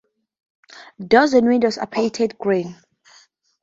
Doors and windows are painted green.